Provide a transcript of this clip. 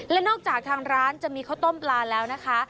และนอกจากทางร้านจะมีข้าวต้มปลาแล้วนะคะ